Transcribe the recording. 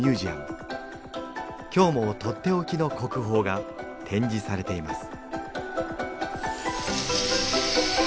今日も取って置きの国宝が展示されています